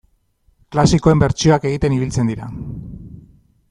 Klasikoen bertsioak egiten ibiltzen dira.